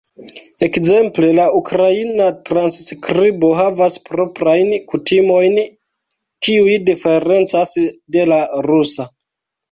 Ekzemple la ukraina transskribo havas proprajn kutimojn, kiuj diferencas de la rusa.